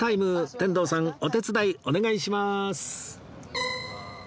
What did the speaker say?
天童さんお手伝いお願いします